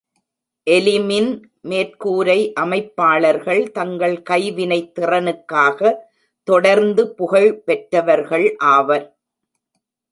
எலிமின் மேற்கூரை அமைப்பாளர்கள் தங்கள் கைவினைத்திறனுக்காக தொடர்ந்து புகழ் பெற்றவர்கள் ஆவர்.